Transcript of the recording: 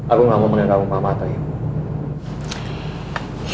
aku gak mau panggil kamu mama atau ibu